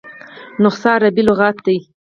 نسخه عربي لغت دﺉ.